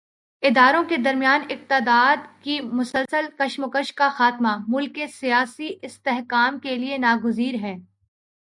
اداروں کے درمیان اقتدار کی مسلسل کشمکش کا خاتمہ، ملک کے سیاسی استحکام کے لیے ناگزیر ہے۔